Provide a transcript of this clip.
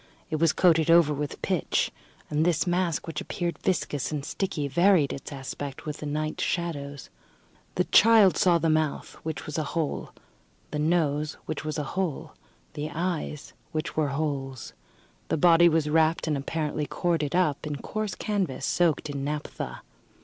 It was coated over with pitch; and this mask, which appeared viscous and sticky, varied its aspect with the night shadows. The child saw the mouth, which was a hole; the nose, which was a hole; the eyes, which were holes. The body was wrapped, and apparently corded up, in coarse canvas, soaked in naphtha.